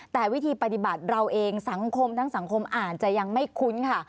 แต่วิธีปฏิบัติเราเองสังคมทั้งสังคมอ่านจะยังไม่คุ้นค่ะ